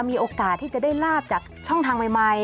มีโอกาสที่จะได้ลาบจากช่องทางใหม่